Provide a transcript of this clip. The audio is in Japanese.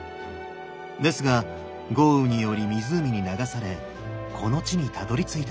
ですが豪雨により湖に流されこの地にたどりついたのです。